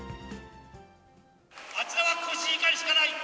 あちらはコシヒカリしかない。